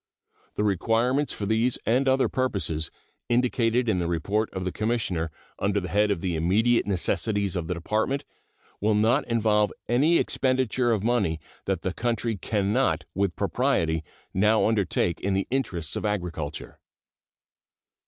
The requirements for these and other purposes, indicated in the report of the Commissioner under the head of the immediate necessities of the Department, will not involve any expenditure of money that the country can not with propriety now undertake in the interests of agriculture.